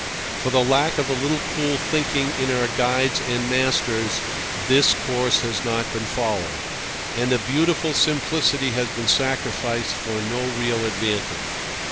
For the lack of a little cool thinking in our guides and masters this course has not been followed, and a beautiful simplicity has been sacrificed for no real advantage.